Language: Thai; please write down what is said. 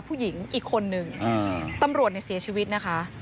ผู้หญิงอีกคนนึงตำรวจเนี่ยเสียชีวิตนะคะ